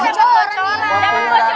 ya kita dapet bocoran